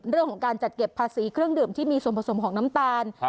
เรื่องของการจัดเก็บภาษีเครื่องดื่มที่มีส่วนผสมของน้ำตาล